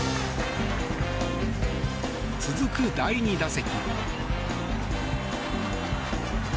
続く第２打席。